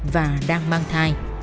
và đang mang thai